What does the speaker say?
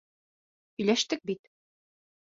Һөйләштек бит.